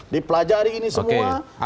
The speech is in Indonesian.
di pelajari ini semua